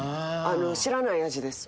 知らない味です。